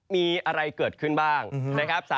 มีอะไรเกิดขึ้นบ้างนะครับ